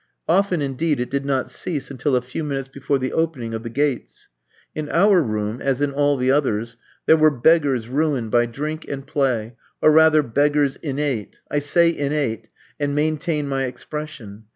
Often, indeed, it did not cease until a few minutes before the opening of the gates. In our room as in all the others there were beggars ruined by drink and play, or rather beggars innate I say innate, and maintain my expression.